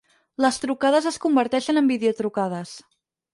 Les trucades es converteixen en videotrucades.